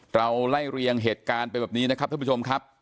เราไล่เรียงเหตุการณ์ไปแบบนี้นะครับท่านผู้ชมครับ